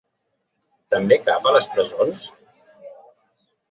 També cap a les presons?